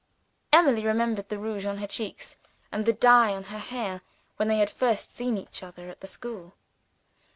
Emily remembered the rouge on her cheeks, and the dye on her hair, when they had first seen each other at the school.